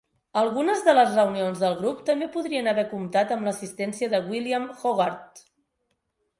Algunes de les reunions del grup també podrien haver comptat amb l'assistència de William Hogarth.